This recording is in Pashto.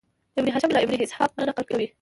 ابن هشام له ابن اسحاق نه نقل کوي.